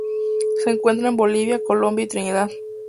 Se encuentra en Bolivia, Colombia y Trinidad.